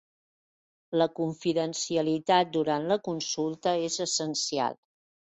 La confidencialitat durant la consulta és essencial